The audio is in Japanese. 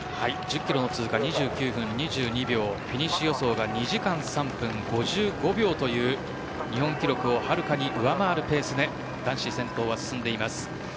２９分２２秒フィニッシュ予想が２時間３分５２秒という日本記録をはるかに上回るペースで男子先頭は進んでいます。